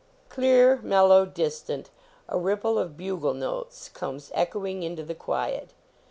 Clear, mellow, distant, a ripple of bugle notes comes echoing into the quiet.